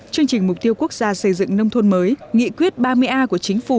chương trình mục tiêu quốc gia xây dựng nông thôn mới nghị quyết ba mươi a của chính phủ